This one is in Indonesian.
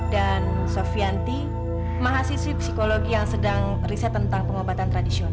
dan sofianti mahasiswi psikologi yang sedang riset tentang pengobatan tradisional